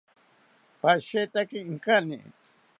Pashetaki inkani